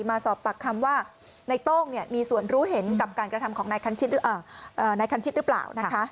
มาสอบปากคำว่าในโต้งมีส่วนรู้เห็นกับการกระทำของนายคันชิดหรือเปล่านะคะ